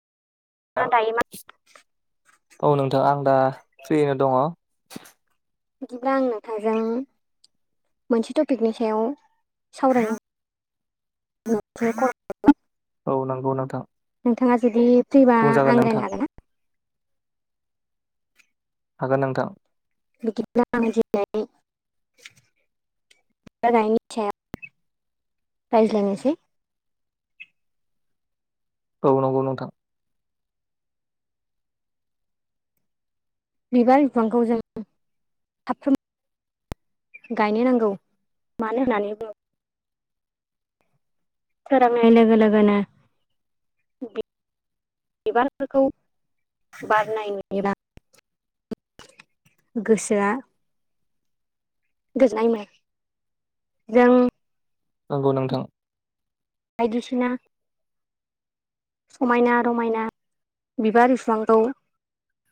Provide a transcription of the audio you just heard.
दायो मा औ नोंथां। आं दा फ्रियैनो दङ'। बिदिब्ला आं नोंथांजों मोनसे टपिकनि सायाव सावरायनो [unintelligible] औ नंगौ नोंथां। नोंथाङा जुदि फ्रिबा बुंजागोन आं नोंथां रायनो हागोन ना? हागोन नोंथां। [unintelligible] [unintelligible] रायज्लनोसै औ नंगौ नोंथां। बिबार बिफांखौ जों साफ्रोम गायनो नांगौ मानो होननानै बुङो सोरांनाय लोगो लोगोनो बिबारफोरखौ बारनाय नुयोबा गोसोआ गोजोननाय मोनो जों नंगौ नोंथां बायदिसिना समायना रमायना बिबार फिफांखौ